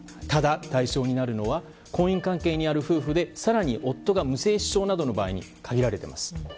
ただ、対象になるのは婚姻関係にある夫婦で更に、夫が無精子症などの場合に限られています。